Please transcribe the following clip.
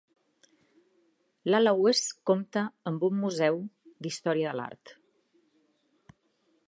L'ala oest compta amb un Museu d'Història de l'Art.